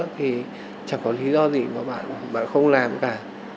thì chẳng có lý do gì mà bạn bạn không làm cả